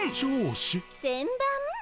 せんばん？